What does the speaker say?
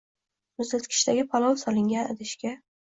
• Muzlatkichdagi palov solingan idishga